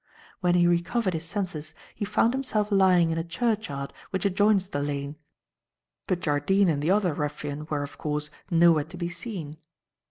When he recovered his senses, he found himself lying in a churchyard which adjoins the lane, but Jardine and the other ruffian were, of course, nowhere to be seen.